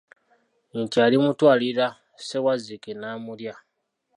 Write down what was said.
Nti alimutwaLira Ssewazzike namulya.